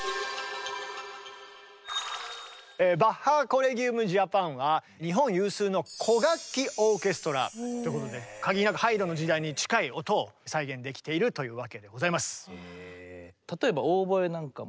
バッハ・コレギウム・ジャパンは日本有数の古楽器オーケストラっていうことで限りなくハイドンの時代に近い音を再現できているというわけでございます。